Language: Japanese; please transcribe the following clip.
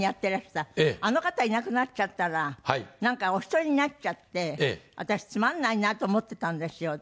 あの方いなくなっちゃったらなんかお一人になっちゃって私つまんないなと思ってたんですよ。